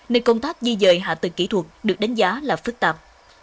nên công tác di dời hạ tầng kỹ thuật được đánh giá là phức tạp